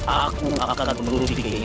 aku akan menuruti keinginanmu